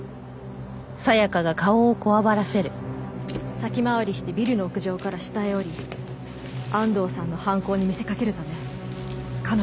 先回りしてビルの屋上から下へ降り安藤さんの犯行に見せかけるため彼女のペンを置いていきました。